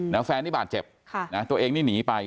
แล้วแฟนนี่บาดเจ็บค่ะนะตัวเองนี่หนีไป